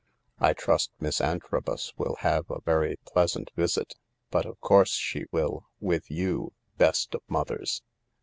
I trust Miss Antrobus will have a very pleasant visit — but of course she will, with you, best of mothers.